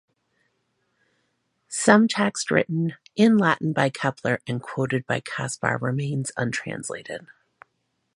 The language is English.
Some text written in Latin by Kepler and quoted by Caspar remains untranslated.